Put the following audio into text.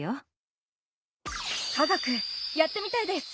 科学やってみたいです！